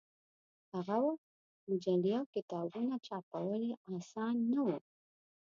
هغه وخت مجلې او کتابونه چاپول اسان نه و.